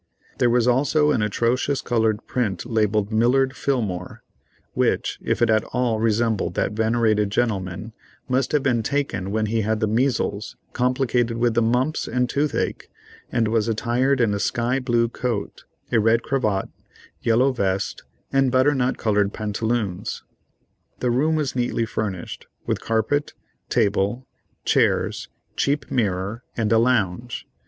There was also an atrocious colored print labelled "Millard Fillmore," which, if it at all resembled that venerated gentleman, must have been taken when he had the measles, complicated with the mumps and toothache, and was attired in a sky blue coat, a red cravat, yellow vest, and butternut colored pantaloons. The room was neatly furnished with carpet, table, chairs, cheap mirror, and a lounge.